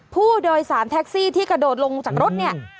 ผู้โดยสารแท็กซี่ที่กระโดดลงจากรถเนี่ย